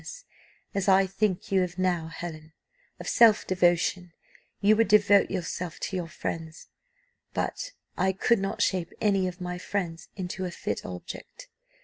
I had then a vast idea as I think you have now, Helen of self devotion; you would devote yourself to your friends, but I could not shape any of my friends into a fit object.